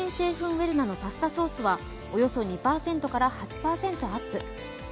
ウェルナのパスタソースはおよそ２％から８％アップ。